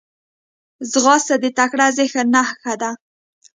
ځغاسته د تکړه ذهن نښه ده